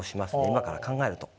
今から考えると。